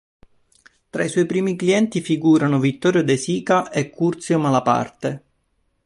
Tra i suoi primi clienti figurano Vittorio De Sica e Curzio Malaparte.